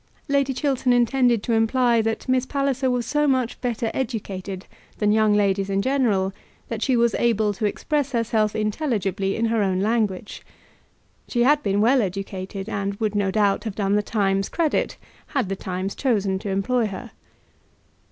Lady Chiltern intended to imply that Miss Palliser was so much better educated than young ladies in general that she was able to express herself intelligibly in her own language. She had been well educated, and would, no doubt, have done the Times credit had the Times chosen to employ her.